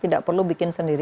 tidak perlu bikin sendiri